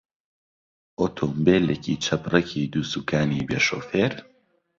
ئۆتۆمبێلێکی چەپرەکی دووسوکانی بێ شۆفێر؟